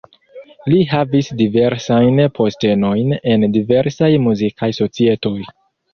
Li havis diversajn postenojn en diversaj muzikaj societoj.